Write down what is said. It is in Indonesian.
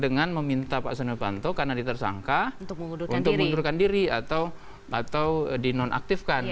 dengan meminta pak senopanto karena ditersangka untuk mundurkan diri atau atau di nonaktifkan